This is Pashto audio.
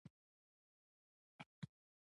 احمد د ژمي لرګي ټول سره واړه واړه کړل.